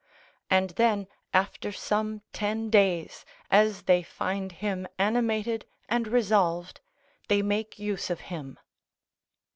And then after some ten days, as they find him animated and resolved, they make use of him.